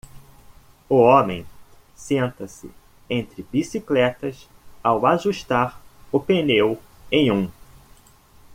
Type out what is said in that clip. O homem senta-se entre bicicletas ao ajustar o pneu em um.